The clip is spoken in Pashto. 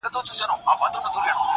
خوا کې د مفتون به د زهرا نازونه څنګه وو